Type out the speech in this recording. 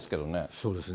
そうですね。